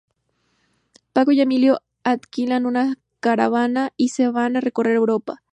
Paco y Emilio alquilan una caravana y se van a recorrer Europa.